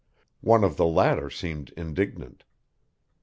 One of the latter seemed indignant.